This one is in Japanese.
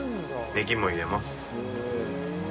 ネギも入れます。